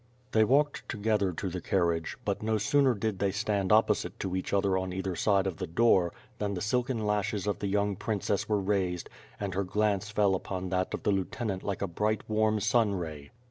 They walked together to the carriage, but no sooner did they stand opposite to each other on either side of the door than the silken lashes of the young princess were raised and her glance fell upon that of the lieutenant like a bright warm sun ray.